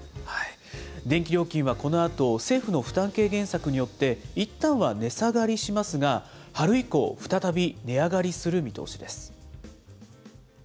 電気料金はこのあと、政府の負担軽減策によって、いったんは値下がりしますが、春以降、再び値上がりする見通しです。